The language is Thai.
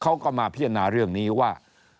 เขาก็มาพิจารณาเรื่องนี้ว่า